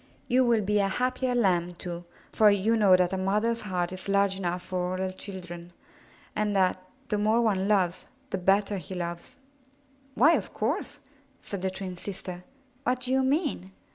You will be a happier Lamb, too, for you know that a mother's heart is large enough for all her children, and that the more one loves, the better he loves." '*Why, of course, said the twin sister. ''What do you mean?